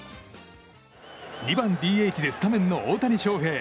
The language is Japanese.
２番ＤＨでスタメンの大谷翔平。